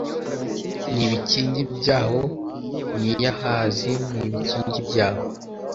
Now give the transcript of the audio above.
n ibikingi byaho n i yahazi n ibikingi byaho